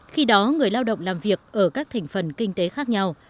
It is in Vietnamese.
khi đó người lao động làm việc ở các thành phần kinh tế khác nhau